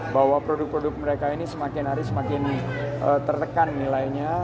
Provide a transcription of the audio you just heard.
bahwa produk produk mereka ini semakin hari semakin tertekan nilainya